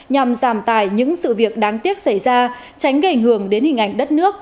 nhằm giảm tài những sự việc đáng tiếc xảy ra tránh gây ảnh hưởng đến hình ảnh đất nước